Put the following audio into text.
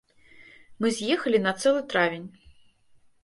Мы з'ехалі на цэлы травень.